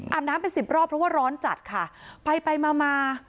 น้ำเป็นสิบรอบเพราะว่าร้อนจัดค่ะไปไปมามา